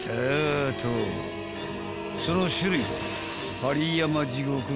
［その種類は］